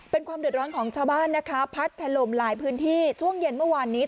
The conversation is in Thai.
เป็นความเดือดร้อนของชาวบ้านนะคะพัดถล่มหลายพื้นที่ช่วงเย็นเมื่อวานนี้